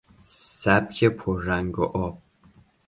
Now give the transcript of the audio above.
سبک پررنگ و آب